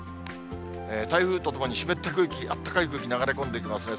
台風とともに湿った空気、あったかい空気流れ込んできますね。